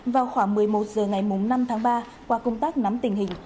vào khoảng một mươi một h ngày năm tháng ba qua công tác nắm tình hình